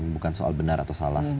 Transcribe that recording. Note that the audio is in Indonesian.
bukan soal benar atau salah